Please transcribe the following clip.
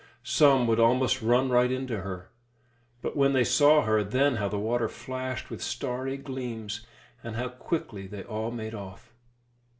Some would almost run right into her; but when they saw her, then how the water flashed with starry gleams, and how quickly they all made off!